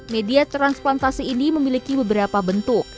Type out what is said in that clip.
media transplantasi ini memiliki beberapa bentuk